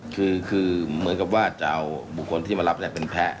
คือเหมือนกับว่าจะเอาบุคคลที่มารับเป็นแพ้